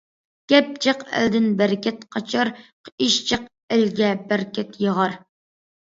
گەپ جىق ئەلدىن بەرىكەت قاچار، ئىش جىق ئەلگە بەرىكەت ياغار.